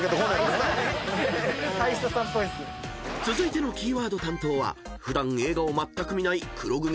［続いてのキーワード担当は普段映画をまったく見ない］